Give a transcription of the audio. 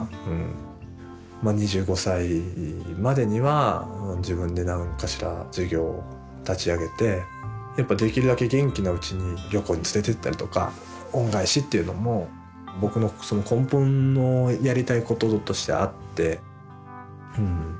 まあ２５歳までには自分で何かしら事業を立ち上げてやっぱできるだけ元気なうちに旅行に連れてったりとか恩返しっていうのも僕の根本のやりたいこととしてあって。